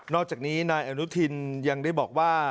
อกจากนี้นายอนุทินยังได้บอกว่า